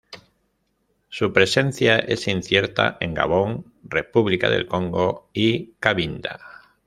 Su presencia es incierta en Gabón, República del Congo y Cabinda.